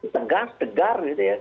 tegar tegar gitu ya